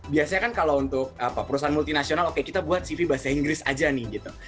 biasanya kan kalau untuk perusahaan multinasional oke kita buat cv bahasa inggris aja nih gitu